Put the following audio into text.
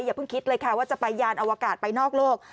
อย่าเพิ่งคิดเลยค่ะว่าจะไปยานอวกาศไปนอกโลก